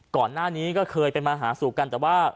ก่อนหน้านี้ก็เคยไปมาหาสู่กันแต่ว่า